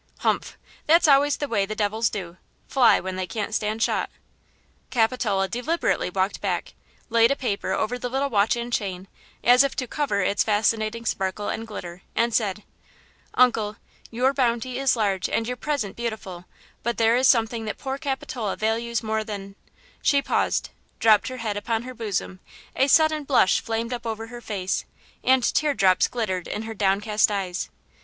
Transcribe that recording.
"Humph! that's always the way the devils do–fly when they can't stand shot." Capitola deliberately walked back, laid a paper over the little watch and chain, as if to cover its fascinating sparkle and glitter, and said: "Uncle, your bounty is large and your present beautiful; but there is something that poor Capitola values more than–" She paused, dropped her head upon her bosom, a sudden blush flamed up over her face, and tear drops glittered in her downcast eyes.